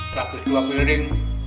lagu dua piring